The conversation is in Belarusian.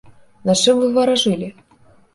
На чым вы варажылі?